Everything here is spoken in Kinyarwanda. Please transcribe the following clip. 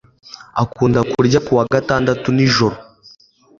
Akunda kurya ku wa gatandatu nijoro.